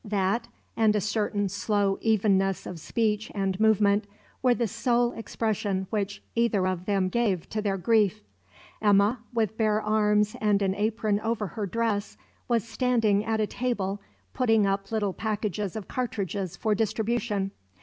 That, and a certain slow evenness of speech and movement, were the sole expression which either of them gave to their grief. Gemma, with bare arms and an apron over her dress, was standing at a table, putting up little packages of cartridges for distribution.